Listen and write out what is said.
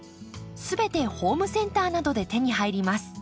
全てホームセンターなどで手に入ります。